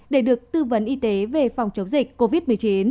để được tư vấn y tế về phòng chống dịch covid một mươi chín